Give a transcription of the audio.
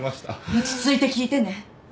落ち着いて聞いてね。